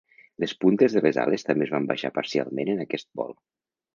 Les puntes de les ales també es van baixar parcialment en aquest vol.